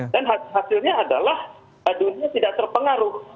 dan hasilnya adalah dunia tidak terpengaruh